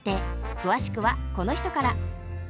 詳しくはこの人から。